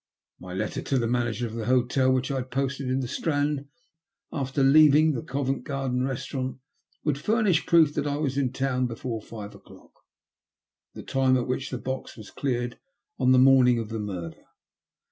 My letter to the manager of the hotel, which I had posted in the Strand after leaving the Go vent Garden restaurant, would furnish proof that I was in town before five o'clock — the time at which the box was cleared on the morning of the murder.